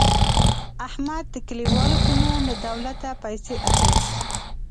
احمد د کلیوالو په نوم له دولته پیسې اخلي.